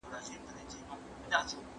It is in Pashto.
ته د ژوند له تنهایی څخه ډارېږې